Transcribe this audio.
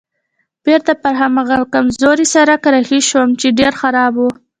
بېرته پر هماغه کمزوري سړک رهي شوم چې ډېر خراب و.